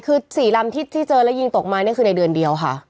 คือ๔ลำที่เจอแล้วยิงตกมานี่คือในเดือนเดียวค่ะ